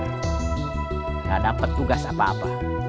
tidak dapat tugas apa apa